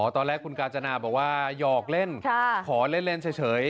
ตอนแรกคุณกาญจนาบอกว่าหยอกเล่นขอเล่นเฉย